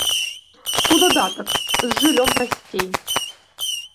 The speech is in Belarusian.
У дадатак, з жыллём прасцей.